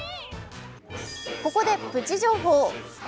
ここでプチ情報。